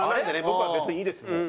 僕は別にいいですもう。